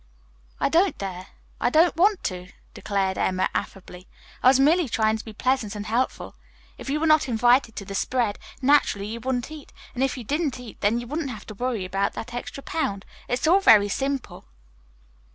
"I don't dare. I don't want to," declared Emma affably. "I was merely trying to be pleasant and helpful. If you were not invited to the spread, naturally you wouldn't eat, and if you didn't eat, then you wouldn't have to worry about that extra pound. It is all very simple."